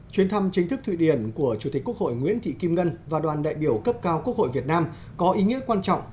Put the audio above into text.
chuyến thăm chính thức thụy điển của chủ tịch quốc hội nguyễn thị kim ngân và đoàn đại biểu cấp cao quốc hội việt nam có ý nghĩa quan trọng